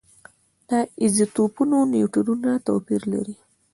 د ایزوټوپونو نیوټرونونه توپیر لري.